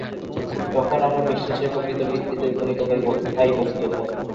তখন আমরা বিশ্বাসের প্রকৃত ভিত্তিতে উপনীত হইব, ইহাই প্রকৃত ধর্ম।